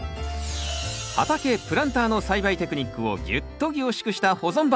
畑プランターの栽培テクニックをギュッと凝縮した保存版。